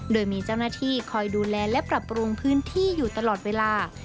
โดยมีเจ้าหน้าที่คอยดูแลและปรับปรุงพื้นที่อยู่ตลอดเวลา